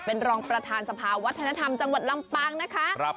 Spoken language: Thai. เป็นรองประธานสภาวัฒนธรรมจังหวัดลำปางนะคะ